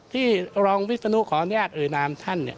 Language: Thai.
ที่รองวิศนุขออนุญาตเอ่ยนามท่าน